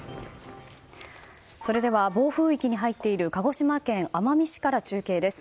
それでは、暴風域に入っている鹿児島県奄美市から中継です。